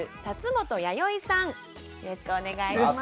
よろしくお願いします。